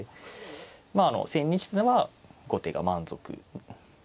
まあ千日手なら後手が満足。